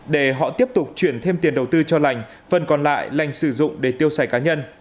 để họ tiếp tục chuyển thêm tiền đầu tư cho lành phần còn lại lành sử dụng để tiêu xài cá nhân